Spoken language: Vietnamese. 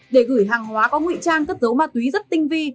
để gửi hàng hóa có ngụy trang cất dấu ma túy rất tinh vi